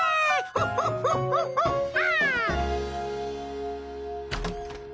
ホホホホホハ！